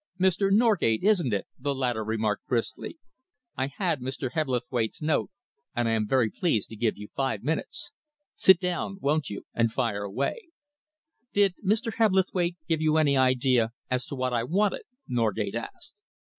"Mr. Norgate, isn't it?" the latter remarked briskly. "I had Mr. Hebblethwaite's note, and I am very pleased to give you five minutes. Sit down, won't you, and fire away." "Did Mr. Hebblethwaite give you any idea as to what I wanted?" Norgate asked.